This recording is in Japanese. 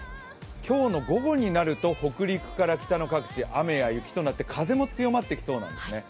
今日の午後になると、北陸や各地、雨や雪となって風も強まってきそうなんですね。